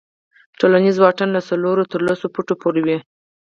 ټولنیز واټن له څلورو تر لسو فوټو پورې وي.